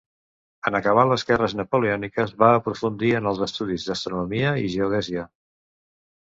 En acabar les guerres napoleòniques va aprofundir en els estudis d'astronomia i geodèsia.